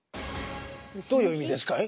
どういう意味ですかい？